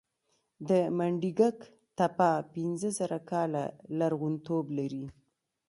د منډیګک تپه پنځه زره کاله لرغونتوب لري